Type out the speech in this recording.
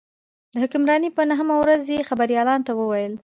د حکمرانۍ په نهمه ورځ یې خبریالانو ته وویل.